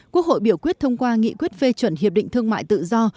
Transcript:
quốc hội biểu quyết thông qua nghị quyết phê chuẩn hiệp định thương mại tự do